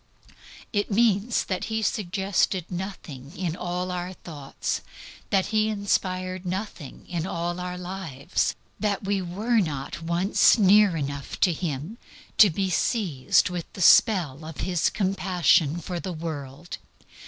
It means that He suggested nothing in all our thoughts, that He inspired nothing in all our lives, that we were not once near enough to Him, to be seized with the spell of His compassion for the world.